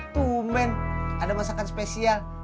tumen ada masakan spesial